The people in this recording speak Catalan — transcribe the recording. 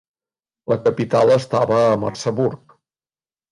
La capital estava a Merseburg.